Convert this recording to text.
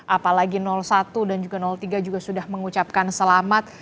apalagi satu dan juga tiga juga sudah mengucapkan selamat